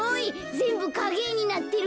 ぜんぶかげえになってる。